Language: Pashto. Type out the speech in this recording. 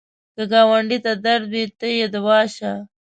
که ګاونډي ته درد وي، ته یې دوا شه